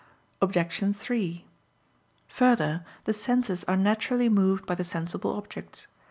Obj. 3: Further, the senses are naturally moved by the sensible objects.